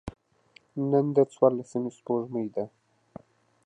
نن د څوارلسمي سپوږمۍ ده.